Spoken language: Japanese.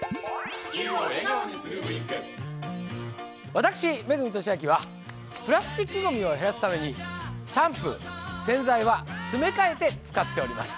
私、恵俊彰は、プラスチックごみを減らすためにシャンプー、洗剤は詰め替えて使っております。